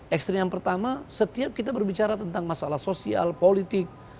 ekstrim yang pertama setiap kita berbicara tentang masalah sosial politik